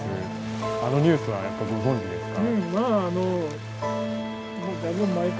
あのニュースはやっぱりご存じですか？